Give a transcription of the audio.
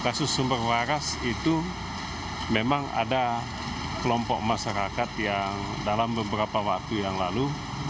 kasus sumber waras itu memang ada kelompok masyarakat yang dalam beberapa waktu yang lalu